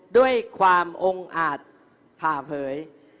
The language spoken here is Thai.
ด้วยความองค์อาจผ่าเผย